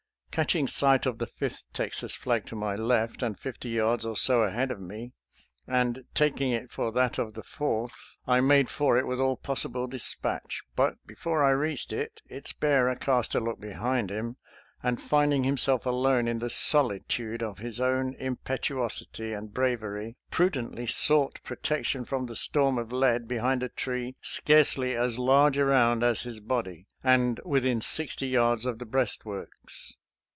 Catching sight of the Fifth Texas fiag to my left and fifty yards or so ahead of me, and taking it for that of the Fourth, I made for it with all possible dispatch. But before I reached it its bearer cast a look behind him, and, finding himself alone in the solitude of his own impetuosity and bravery, prudently sought protection from the storm of lead behind a tree scarcely as large around as his body, and within sixty yards of the breast works.